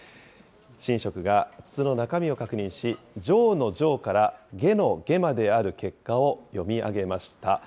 神職が筒の中身を確認し、上の上から下の下まである結果を読み上げました。